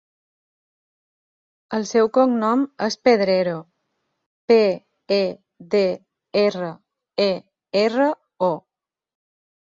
El seu cognom és Pedrero: pe, e, de, erra, e, erra, o.